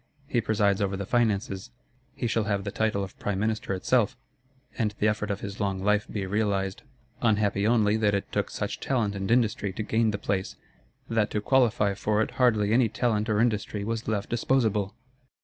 He presides over the Finances; he shall have the title of Prime Minister itself, and the effort of his long life be realised. Unhappy only that it took such talent and industry to gain the place; that to qualify for it hardly any talent or industry was left disposable!